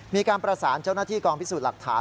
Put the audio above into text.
มีการประสานเจ้าหน้าที่กองพิสูจน์หลักฐาน